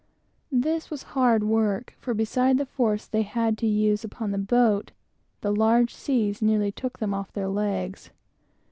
This was hard work; for beside the force they had to use upon the boat, the large seas nearly took them off their legs.